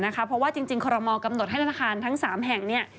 เพราะว่าจริงคอรมอลกำหนดให้ธนาคารทั้ง๓แห่ง